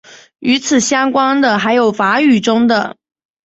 与此相关的还有法语中的。